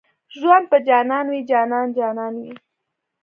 ژوند په جانان وي جانان جانان وي